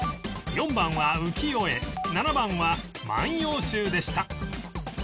４番は浮世絵７番は『万葉集』でした